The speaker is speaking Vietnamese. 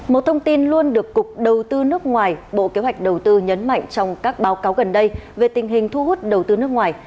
một thông tin luôn được cục đầu tư nước ngoài bộ kế hoạch đầu tư nhấn mạnh trong các báo cáo gần đây về tình hình thu hút đầu tư nước ngoài